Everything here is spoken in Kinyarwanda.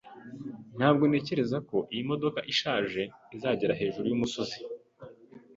Ntabwo ntekereza ko iyi modoka ishaje izagera hejuru yumusozi.